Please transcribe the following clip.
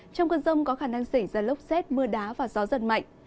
trong cơn rông có khả năng xảy ra lốc xét mưa đá và gió giật mạnh